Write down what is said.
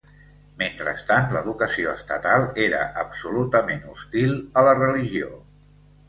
Mentrestant, l'educació estatal era absolutament hostil a la religió.